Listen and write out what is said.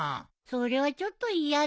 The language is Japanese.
それはちょっと嫌だね。